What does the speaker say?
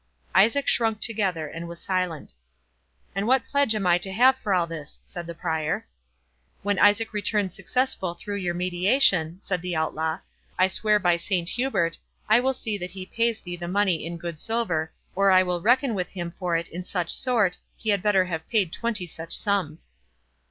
Isaac shrunk together, and was silent. "And what pledge am I to have for all this?" said the Prior. "When Isaac returns successful through your mediation," said the Outlaw, "I swear by Saint Hubert, I will see that he pays thee the money in good silver, or I will reckon with him for it in such sort, he had better have paid twenty such sums."